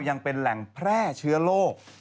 ยังเป็นแหล่งแพร่เชื้อโรค